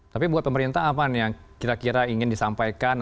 tapi buat pemerintah apa nih yang kira kira ingin disampaikan